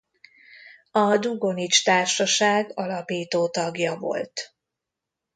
A Dugonics Társaság alapító tagja volt.